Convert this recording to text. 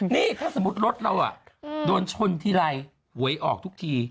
นี่ถ้าสมมุติรถเราโดนชนทีไรหวยออกทุกที